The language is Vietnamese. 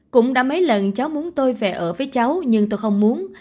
cũng đã mấy lần cháu muốn tôi về ở với cháu nhưng tôi không muốn